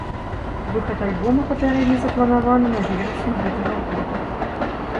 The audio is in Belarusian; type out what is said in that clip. Выхад альбома папярэдне запланаваны на верасень гэтага года.